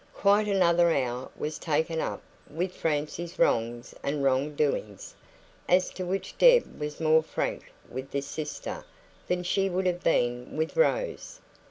Quite another hour was taken up with Francie's wrongs and wrong doings, as to which Deb was more frank with this sister than she would have been with Rose.